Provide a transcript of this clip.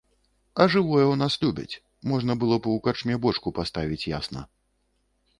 А жывое ў нас любяць, можна было б у карчме бочку паставіць, ясна.